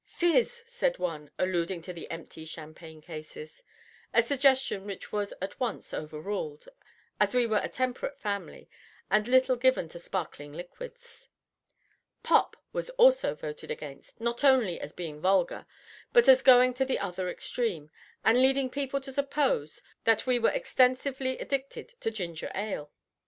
"Fiz," said one, alluding to the empty champagne cases, a suggestion which was at once overruled, as we were a temperate family and little given to sparkling liquids. "Pop" was also voted against, not only as being vulgar, but as going to the other extreme, and leading people to suppose that we were extensively addicted to ginger ale.